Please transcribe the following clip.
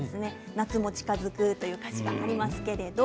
夏も近づくと歌詞がありますね。